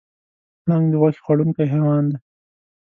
پړانګ د غوښې خوړونکی حیوان دی.